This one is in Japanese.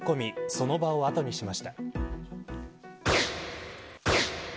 その場を後にしました。